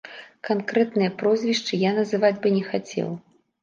Канкрэтныя прозвішчы я называць б не хацеў.